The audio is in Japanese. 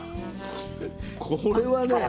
これはね